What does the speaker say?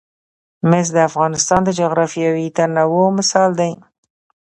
مس د افغانستان د جغرافیوي تنوع مثال دی.